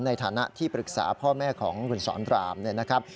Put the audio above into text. ในฐานะที่ปรึกษาพ่อแม่ของคุณสอนรามเนี่ยนะครับ